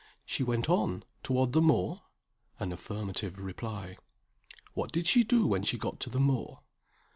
"She went on, toward the moor?" An affirmative reply. "What did she do when she got to the moor?"